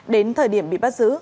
đến thời điểm bị bắt giữ